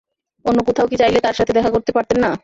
অন্য কোথাও কি চাইলে তার সাথে দেখা করতে পারতেন না?